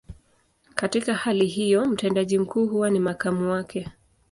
Katika hali hiyo, mtendaji mkuu huwa ni makamu wake.